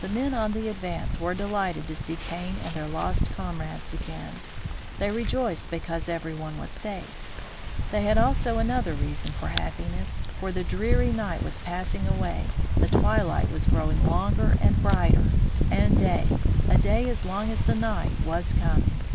The men on the Advance were delighted to see Kane and their lost comrades again. They rejoiced because every one was safe. They had also another reason for hap piness, for the dreary night was passing away, the twilight was growing longer and brighter, and day — a day as long as the night — was coming.